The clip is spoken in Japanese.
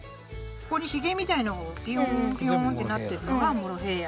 ここにヒゲみたいなのビヨーンビヨーンってなってるのがモロヘイヤ。